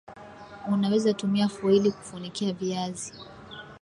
Unaweza tumia foili kufunikia viazi